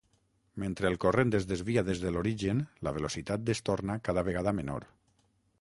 Mentre el corrent es desvia des de l'origen, la velocitat es torna cada vegada menor.